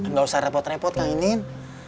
nggak usah repot repot kang inin